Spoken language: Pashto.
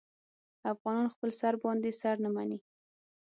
افغانان خپل سر باندې سر نه مني.